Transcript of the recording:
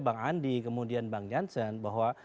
bang andi kemudian bang jansen bahwa